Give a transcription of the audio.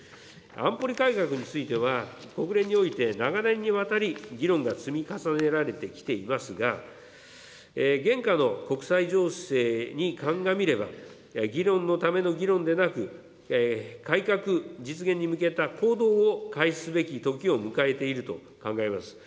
安保理改革については、国連において長年にわたり、議論が積み重ねられてきていますが、現下の国際情勢に鑑みれば、議論のための議論でなく、改革実現に向けた行動を開始すべきときを迎えていると考えます。